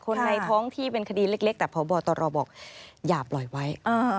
ในท้องที่เป็นคดีเล็กแต่พบตรบอกอย่าปล่อยไว้